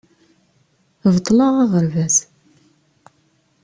Beṭleɣ aɣerbaz.